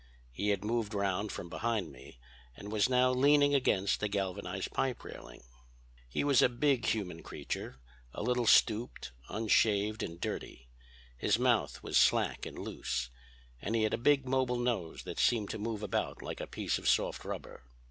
He had moved round from behind me and was now leaning against the galvanized pipe railing. "He was a big human creature, a little stooped, unshaved and dirty; his mouth was slack and loose, and he had a big mobile nose that seemed to move about like a piece of soft rubber.